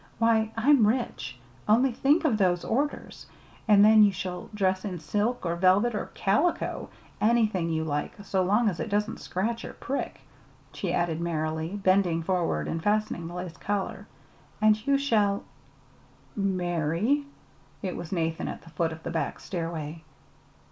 "Why, I'm rich! Only think of those orders! And then you shall dress in silk or velvet, or calico anything you like, so long as it doesn't scratch nor prick," she added merrily, bending forward and fastening the lace collar. "And you shall " "Ma ry?" It was Nathan at the foot of the back stairway.